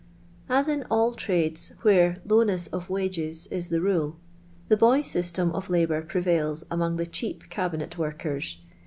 As in all trades where lowness of wages is the rule, the boy system of labour prevails among the cheap cabinet workers.